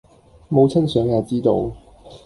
母親想也知道；